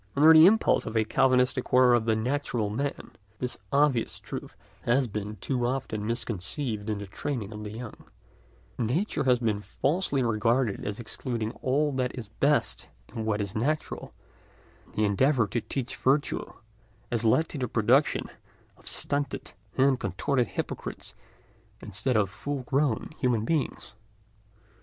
Under the impulse of a Calvinistic horror of the "natural man," this obvious truth has been too often misconceived in the training of the young; "nature" has been falsely regarded as excluding all that is best in what is natural, and the endeavour to teach virtue has led to the production of stunted and contorted hypocrites instead of full grown human beings.